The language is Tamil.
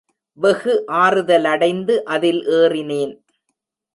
வெகு ஆறுதலடைந்து அதில் ஏறினேன்.